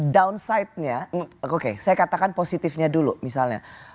downside nya oke saya katakan positifnya dulu misalnya